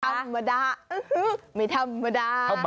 ธรรมดาไม่ธรรมดา